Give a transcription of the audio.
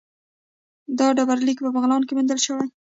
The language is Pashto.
دا ډبرلیک په بغلان کې موندل شوی